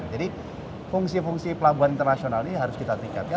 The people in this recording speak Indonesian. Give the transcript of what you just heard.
jadi fungsi fungsi pelabuhan internasional ini harus kita tingkatkan